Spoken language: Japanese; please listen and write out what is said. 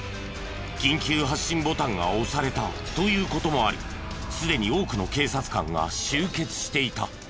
緊急発信ボタンが押されたという事もありすでに多くの警察官が集結していた。